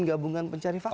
gabungan pencari fakta